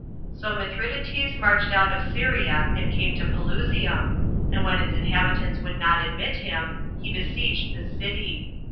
So Mithridates marched out of Syria, and came to Pelusium; and when its inhabitants would not admit him, he besieged the city.